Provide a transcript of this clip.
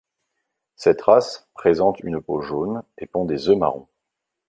Cette race présente une peau jaune, et pond des œufs marron.